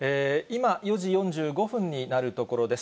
今、４時４５分になるところです。